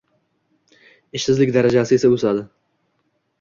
Ishsizlik darajasi esa... o‘sadi.